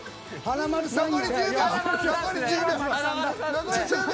華丸さん。